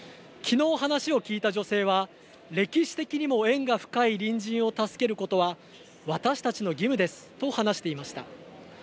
話を聞いた女性は「歴史的にも縁が深い隣人を助けることは私たちの義務です」と話していました。